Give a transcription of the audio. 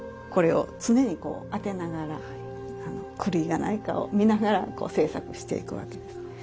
これを常にこう当てながら狂いがないかを見ながら制作していくわけです。